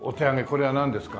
これはなんですか？